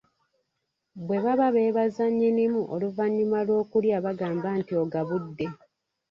Bwe baba beebaza nnyinimu oluvannyuma lw’okulya bagamba nti ogabbudde.